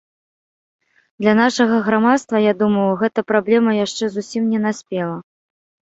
Для нашага грамадства, я думаю, гэта праблема яшчэ зусім не наспела.